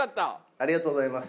ありがとうございます。